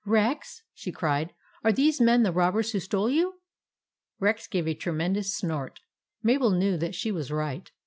"Rex," she cried, "are these men the robbers who stole you ? M Rex gave a tremendous snort. Mabel knew that she was right.